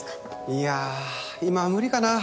いや今は無理かな。